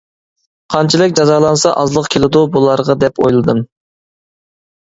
قانچىلىك جازالانسا ئازلىق كېلىدۇ بۇلارغا دەپ ئويلىدىم.